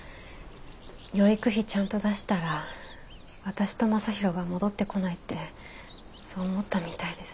養育費ちゃんと出したら私と将大が戻ってこないってそう思ったみたいです。